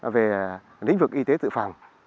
về lĩnh vực y tế tự phòng